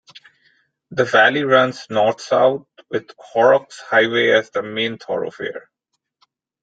The valley runs north-south, with Horrocks Highway as the main thoroughfare.